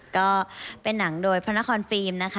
ก็เป็นหนังด้วยพนครฟรีมนะคะ